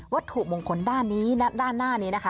วัตถุมงคลด้านหน้านี้นะคะ